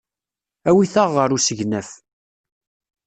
Awit-aɣ ɣer usegnaf.